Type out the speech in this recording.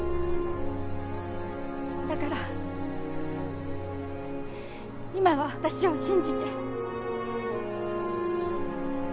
だから今は私を信じて。